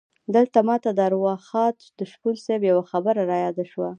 دلته ماته د ارواښاد شپون صیب یوه خبره رایاده شوه.